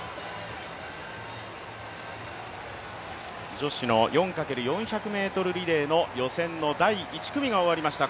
女子の４×４００ｍリレーの予選の第１組が終わりました。